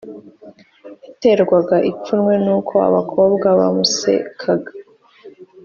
yaterwaga ipfunwe n’uko abakobwa bamusekaga